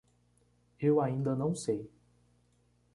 Eu ainda não sei